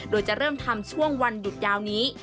โดยจะเริ่มทำช่วงวันหยุดยาวนี้